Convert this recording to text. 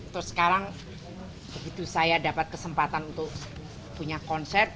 terus sekarang begitu saya dapat kesempatan untuk punya konsep